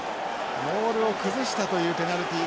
モールを崩したというペナルティー。